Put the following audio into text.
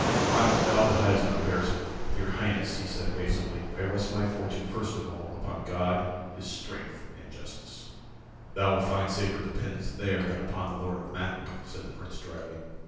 Myles bowed to hide his own embarrassment. "Your Highness," said he, evasively, "I rest my fortune, first of all, upon God, His strength and justice." "Thou wilt find safer dependence there than upon the Lord of Mackworth," said the Prince, dryly.